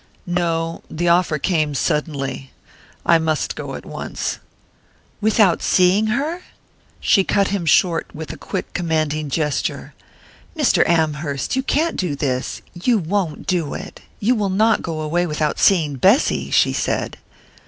"No. The offer came suddenly. I must go at once." "Without seeing her?" She cut him short with a quick commanding gesture. "Mr. Amherst, you can't do this you won't do it! You will not go away without seeing Bessy!" she said.